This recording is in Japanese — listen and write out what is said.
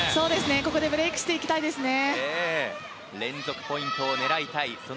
ここでブレークしていきたいですね。